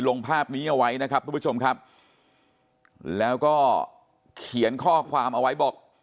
ลงภาพนี้เอาไว้นะครับทุกผู้ชมครับแล้วก็เขียนข้อความเอาไว้บอก